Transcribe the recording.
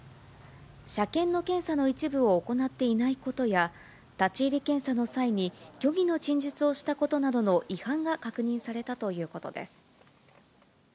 車検の検査の一部を行っていないことや、立ち入り検査の際に虚偽の陳述をしたことなどの違反が確認されたということです。